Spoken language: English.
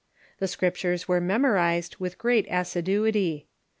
The Scriptures were memorized with great assiduity.